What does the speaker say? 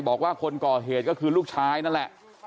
บอกว่าคนก่อเหตุก็คือลูกชายนั่นแหละ